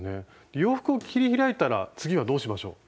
洋服を切り開いたら次はどうしましょう？